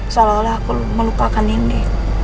salah allah aku melupakan nindi